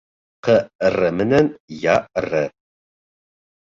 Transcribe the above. ҠР МЕНӘН ЯР